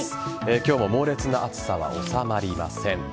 今日も猛烈な暑さは収まりません。